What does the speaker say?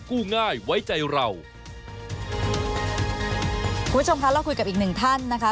ไว้ใจเราคุณผู้ชมคะเราคุยกับอีกหนึ่งท่านนะคะ